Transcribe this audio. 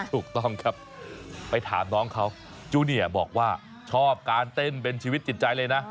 ถูกต้องครับไปถามน้องเขาจูเนียบอกว่าชอบการเต้นเป็นชีวิตจิตใจเลยนะ